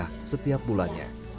jumlah ini lebih dari seratus rupiah